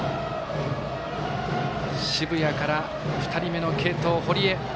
澁谷から２人目の継投堀江。